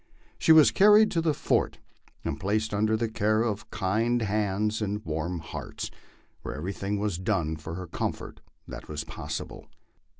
She was carried to the fort and placed under the care of kind hands and warm hearts, where everything was done for her comfort that was possible.